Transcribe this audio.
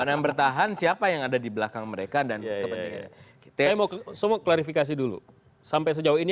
yang bertahan siapa yang ada di belakang mereka dan kepentingannya kita mau semua klarifikasi dulu sampai sejauh ini